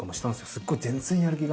すっごい。